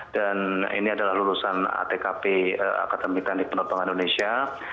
dan ini adalah lulusan atkp akademik tandik penopongan indonesia